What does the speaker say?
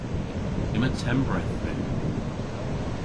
Yma tempredh dhyn.